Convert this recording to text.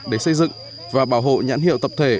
để xây dựng và bảo hộ nhãn hiệu tập thể